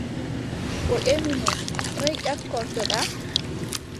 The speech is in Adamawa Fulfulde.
O ƴemi mo: noy ƴakkortoɗa ?